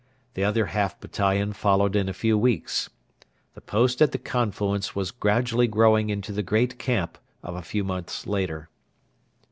The other half battalion followed in a few weeks. The post at the confluence was gradually growing into the great camp of a few months later.